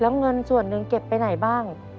แล้วเงินส่วนหนึ่งเก็บไปไหนบ้าง